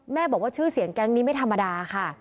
บอกว่าชื่อเสียงแก๊งนี้ไม่ธรรมดาค่ะ